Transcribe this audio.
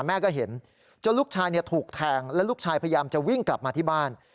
แม่ก็เห็นจนลูกชายถูกแทงและลูกชายพยายามจะวิ่งกลับมาที่บ้าน